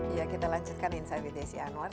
iya kita lanjutkan insight with isya anwar